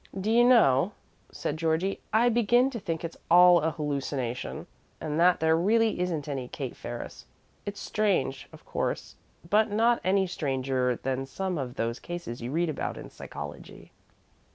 "Do you know," said Georgie, "I begin to think it's all a hallucination, and that there really isn't any Kate Ferris. It's strange, of course, but not any stranger than some of those cases you read about in psychology."